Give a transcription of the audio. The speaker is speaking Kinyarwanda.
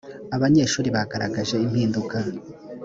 abanyeshuri bagaragaje impinduka .